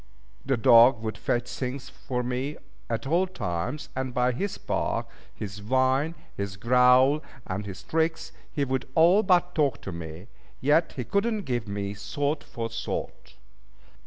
The dog would fetch things for me at all times, and by his bark, his whine, his growl, and his tricks, he would all but talk to me; yet he could not give me thought for thought.